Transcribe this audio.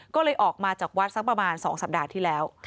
ก็เลยออกมาจากวัดสักประมาณ๒สัปดาห์ที่แล้ว